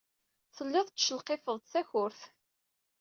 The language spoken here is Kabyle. Telliḍ tettcelqifeḍ-d takurt.